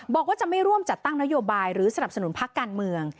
บอกว่าจะไม่ร่วมจัดตั้งนโยบายหรือสนับสนุนพักการเมือง